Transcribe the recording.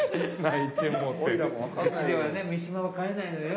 「うちではね三島は飼えないのよ」。